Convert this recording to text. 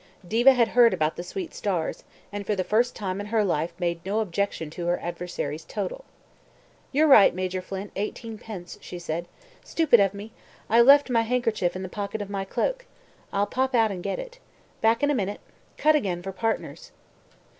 Diva had heard about the sweet stars, and for the first time in her life made no objection to her adversaries' total. "You're right, Major Flint, eighteen pence," she said. "Stupid of me: I've left my handkerchief in the pocket of my cloak. I'll pop out and get it. Back in a minute. Cut again for partners."